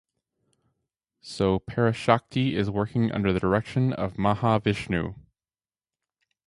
So Parashakti is working under the direction of Maha vishnu.